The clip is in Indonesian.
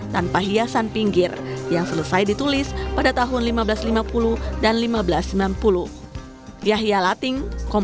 tanpa hiasan pinggir yang selesai ditulis pada tahun seribu lima ratus lima puluh dan seribu lima ratus sembilan puluh